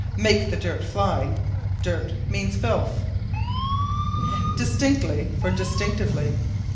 "Make the dirt fly." Dirt means filth. Distinctly for Distinctively.